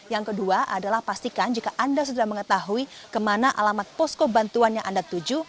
yang kedua adalah pastikan jika anda sudah mengetahui kemana alamat posko bantuan yang anda tuju